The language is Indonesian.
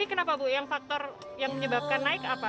ini kenapa bu yang faktor yang menyebabkan naik apa